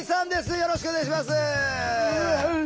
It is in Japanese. よろしくお願いします。